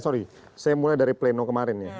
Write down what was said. sorry saya mulai dari pleno kemarin ya